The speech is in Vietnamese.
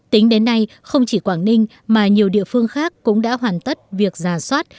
tính đến nay không chỉ quảng ninh mà nhiều địa phương khác cũng đã hoàn tất việc giả soát